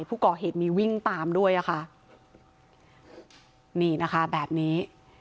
ผู้ก่อเหตุมีวิ่งตามด้วยอ่ะค่ะนี่นะคะแบบนี้